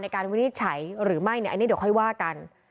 วินิจฉัยหรือไม่เนี่ยอันนี้เดี๋ยวค่อยว่ากัน